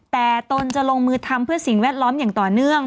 แต่ตนจะลงมือทำเพื่อสิ่งแวดล้อมอย่างต่อเนื่อง